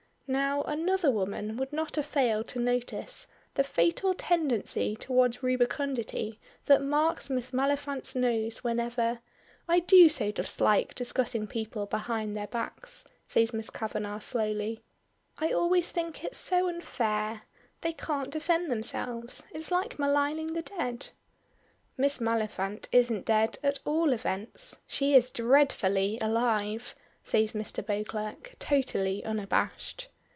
Now, another woman would not have failed to notice the fatal tendency towards rubicundity that marks Miss Maliphant's nose whenever " "I do so dislike discussing people behind their backs," says Miss Kavanagh, slowly. "I always think it is so unfair. They can't defend themselves. It is like maligning the dead." "Miss Maliphant isn't dead at all events. She is dreadfully alive," says Mr. Beauclerk, totally unabashed.